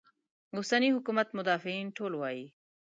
اوسني حکومت مدافعین ټول وایي.